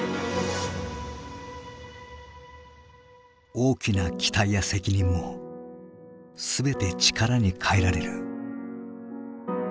大きな期待や責任も全て力に変えられる。